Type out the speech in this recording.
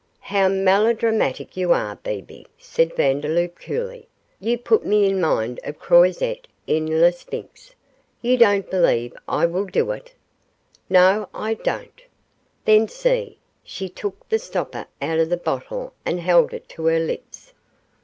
'How melodramatic you are, Bebe,' said Vandeloup, coolly; 'you put me in mind of Croisette in "Le Sphinx".' 'You don't believe I will do it.' 'No! I do not.' 'Then see.' She took the stopper out of the bottle and held it to her lips.